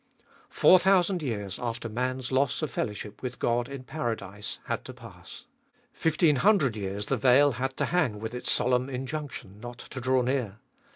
Four thousand years after man's loss of fellowship with God in paradise had to pass. Fifteen hundred years the veil had to hang with its solemn injunction not to draw near.